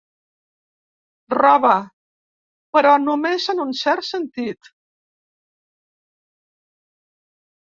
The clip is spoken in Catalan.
Roba, però només en un cert sentit.